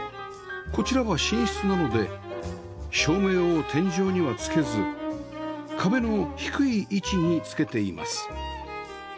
こちらは寝室なので照明を天井には付けず壁の低い位置に付けています